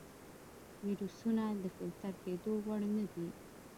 ویروسونه د فلتر کېدو وړ نه دي.